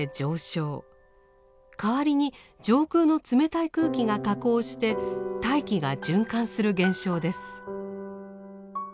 かわりに上空の冷たい空気が下降して大気が循環する現象です。